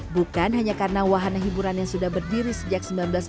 bukan hanya karena wahana hiburan yang sudah berdiri sejak seribu sembilan ratus enam puluh